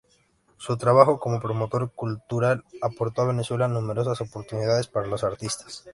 Su trabajo como promotor cultural aportó a Venezuela numerosas oportunidades para los artistas.